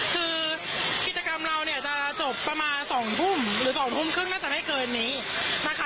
คือกิจกรรมเราเนี่ยจะจบประมาณ๒ทุ่มหรือ๒ทุ่มครึ่งน่าจะไม่เกินนี้นะคะ